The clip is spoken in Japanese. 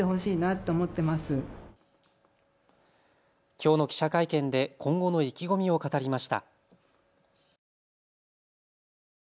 きょうの記者会見で今後の意気込みを語りました。